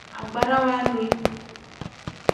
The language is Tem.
Agbarawa nni.